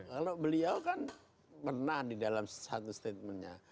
kalau beliau kan pernah di dalam satu statementnya